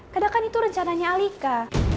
kadang kadang itu rencananya alika